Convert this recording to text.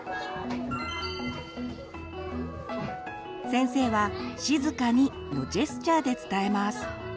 先生は「静かに」のジェスチャーで伝えます。